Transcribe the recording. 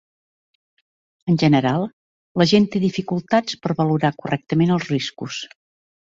En general, la gent té dificultats per valorar correctament els riscos.